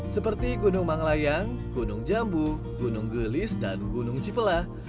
seperti gunung manglayang gunung jambu gunung gelis dan gunung cipelah